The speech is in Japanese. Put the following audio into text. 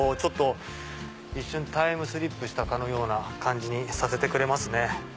一瞬タイムスリップしたような感じにさせてくれますね。